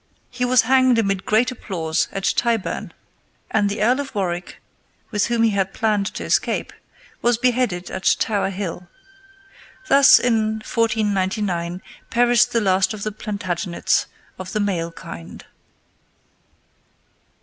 He was hanged amid great applause at Tyburn, and the Earl of Warwick, with whom he had planned to escape, was beheaded at Tower Hill. Thus, in 1499, perished the last of the Plantagenets of the male kind.